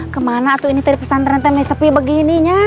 kemana tuh ini tadi pesantren temen sepi begininya